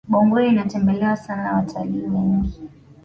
bongoyo inatembelewa sana na watalii wengi